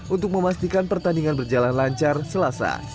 untuk memastikan pertandingan berjalan lancar selasa